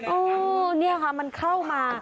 โอ้นี่ค่ะมันเข้ามา